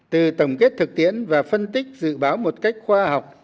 từ tổng kết thực tiễn và phân tích dự báo một cách